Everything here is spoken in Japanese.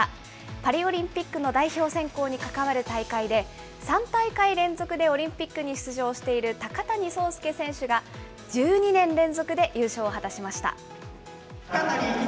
パリオリンピックの代表選考に関わる大会で、３大会連続でオリンピックに出場している高谷惣亮選手が、１２年連続で優勝を果たしました。